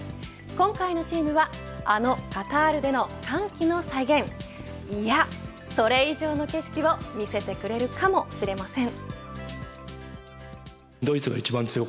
今回のチームはあのカタールでの歓喜の再現いや、それ以上の景色を見せてくれるかもしれません。